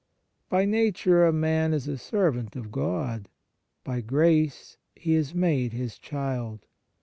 By nature a man is a servant of God; by grace he is made His child.